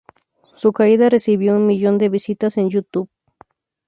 Su caída recibió un millón de visitas en youtube.